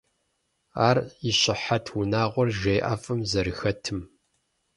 Ар и щыхьэтт унагъуэр жей ӀэфӀым зэрыхэтым.